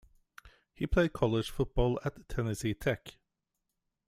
He played college football at Tennessee Tech.